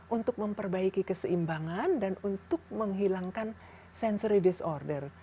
untuk memperbaiki keseimbangan dan untuk menghilangkan sensory disorder